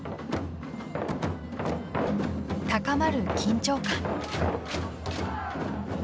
高まる緊張感。